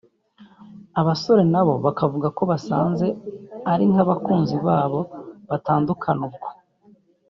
abasore na bo bakavuga ko basanze ari nk’abakunzi babo batandukana ubwo